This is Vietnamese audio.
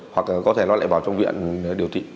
hoặc có thể nó lại vào trong viện điều trị